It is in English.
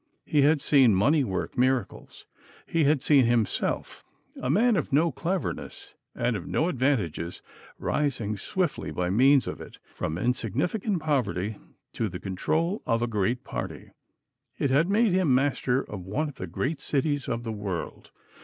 He had seen money work miracles. He had seen himself, a man of no cleverness and of no advantages, rising swiftly by means of it from insignificant poverty to the control of a great party. It had made him master of one of the great cities of the world.